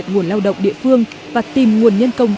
năng cao từ ba đến bốn lần